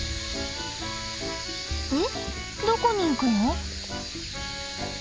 えっどこに行くの？